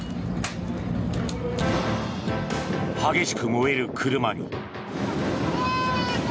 激しく燃える車に。